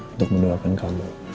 untuk mendoakan kamu